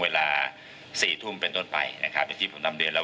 เวลาสี่ทุ่มเป็นต้นไปนะครับอย่างที่ผมนำเรียนแล้ว